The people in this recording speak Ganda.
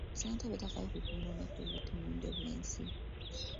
Ssentebe tafaayo ku kwonoona kw'obutonde bw'ensi.